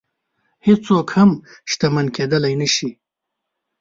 هېڅوک هم شتمن کېدلی نه شي.